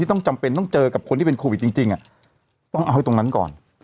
ต้องจำเป็นต้องเจอกับคนที่เป็นโควิดจริงต้องเอาให้ตรงนั้นก่อน